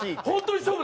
本当に！